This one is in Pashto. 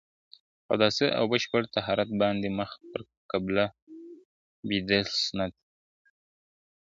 په اوداسه او بشپړ طهارت باندي مخ پر قبله بيديدل سنت عمل دی.